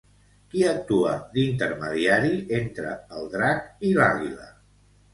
Qui actua d'intermediari entre el drac i l'Àguila?